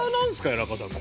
谷中さん